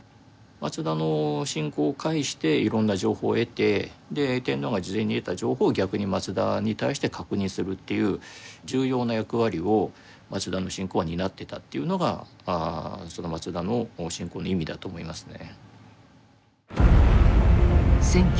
松田の進講を介していろんな情報を得てで天皇が事前に得た情報を逆に松田に対して確認するっていう重要な役割を松田の進講は担ってたっていうのが松田の進講の意味だと思いますね。